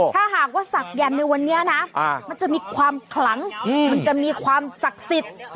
ถ้าหากว่าศักยันต์ในวันนี้นะมันจะมีความขลังมันจะมีความศักดิ์สิทธิ์